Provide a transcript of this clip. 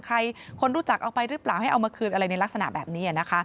คนรู้จักเอาไปหรือเปล่าให้เอามาคืนอะไรในลักษณะแบบนี้นะคะ